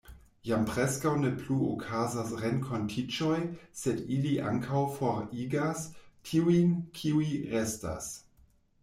Jam preskaŭ ne plu okazas renkontiĝoj, sed ili ankaŭ forigas tiujn, kiuj restas.